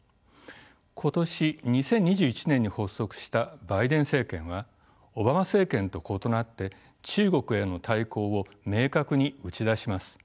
今年２０２１年に発足したバイデン政権はオバマ政権と異なって中国への対抗を明確に打ち出します。